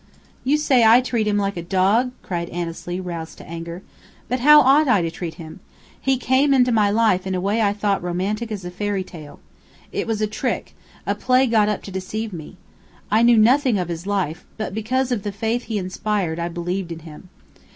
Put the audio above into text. "You say I treat him like a dog!" cried Annesley, roused to anger. "But how ought I to treat him? He came into my life in a way I thought romantic as a fairy tale. It was a trick a play got up to deceive me! I knew nothing of his life; but because of the faith he inspired, I believed in him.